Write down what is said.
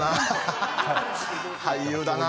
俳優だな。